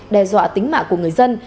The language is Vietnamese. đe dọa tính mạ của người dân